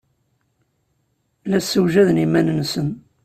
La ssewjaden iman-nsen.